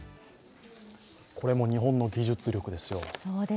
これも日本の技術力ですよ。